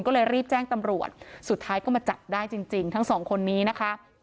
ก็เลยรีบแจ้งตำรวจสุดท้ายก็มาจับได้จริงทั้งสองคนนี้นะคะ